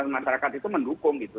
masyarakat itu mendukung gitu